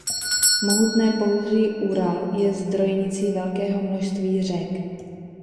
Mohutné pohoří Ural je zdrojnicí velkého množství řek.